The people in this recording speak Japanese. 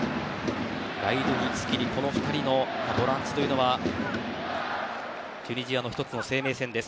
ライドゥニ、スキリというこの２人のボランチはチュニジアの１つの生命線です。